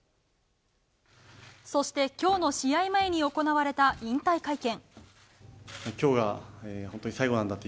そして、今日の試合前に行われた引退会見。